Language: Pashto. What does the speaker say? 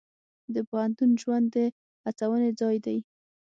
د پوهنتون ژوند د هڅونې ځای دی.